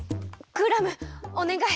クラムおねがい。